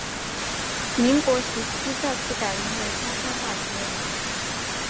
民国时期再次改名为中山大街。